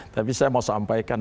tapi saya mau sampaikan